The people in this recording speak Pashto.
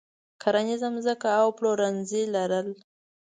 کرنیزه ځمکه او پلورنځي لرل.